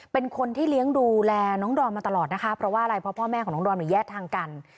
เป็นคนที่เลี้ยงดูแลน้องดอนมาตลอดนะคะเพราะว่าอะไรเพราะพ่อแม่ของน้องดอนหนูแยกทางกัน